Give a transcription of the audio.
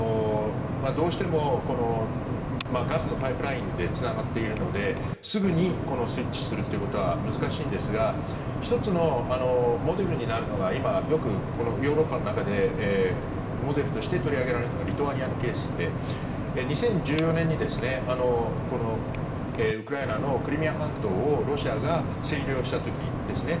どうしてもガスのパイプラインでつながっているのですぐにスイッチするということは難しいんですが１つのモデルになるのが今、よくこのヨーロッパの中でモデルとして取り上げられるのがリトアニアのケースで２０１４年にウクライナのクリミア半島をロシアが占領した時ですね。